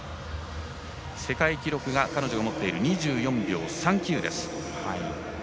世界記録が彼女が持っている２４秒３９。